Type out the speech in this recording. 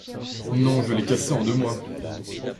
Non je l'ai cassé en deux mois.